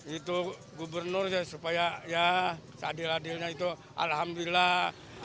itu gubernur supaya ya seadil adilnya itu alhamdulillah